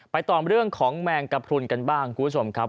ต่อเรื่องของแมงกระพรุนกันบ้างคุณผู้ชมครับ